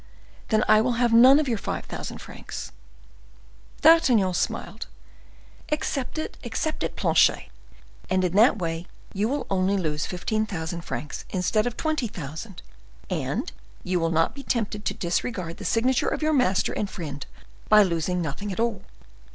Then I will have none of your five thousand francs." D'Artagnan smiled. "Accept it, accept it, Planchet; and in that way you will only lose fifteen thousand francs instead of twenty thousand, and you will not be tempted to disregard the signature of your master and friend, by losing nothing at all."